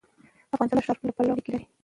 افغانستان د ښارونو له پلوه اړیکې لري.